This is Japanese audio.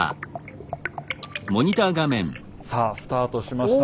さあスタートしました。